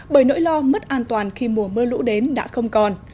bởi nỗi lo mất an toàn khi mùa mưa lũ đến đã không còn